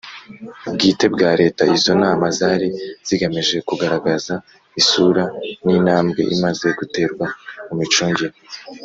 Bwite bwa Leta Izo nama zari zigamije kugaragaza isura n intambwe imaze guterwa mu micungire